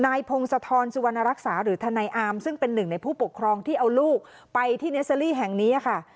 พงศธรสุวรรณรักษาหรือทนายอาร์มซึ่งเป็นหนึ่งในผู้ปกครองที่เอาลูกไปที่เนสเตอรี่แห่งนี้ค่ะ